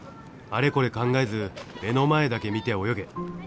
あれこれ考えず目の前だけ見て泳げ。